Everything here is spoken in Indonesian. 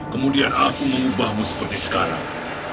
kemudian aku mengubahmu seperti sekarang